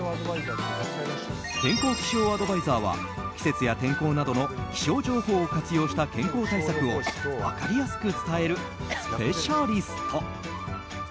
健康気象アドバイザーは季節や天候などの気象情報を活用した健康対策を分かりやすく伝えるスペシャリスト。